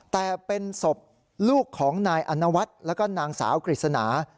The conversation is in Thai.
แต่เป็นศพลูกของนายอนวัฒน์แล้วก็นางสาวกฤษณา